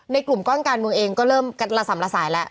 กลุ่มก้อนการเมืองเองก็เริ่มกระสำละสายแล้ว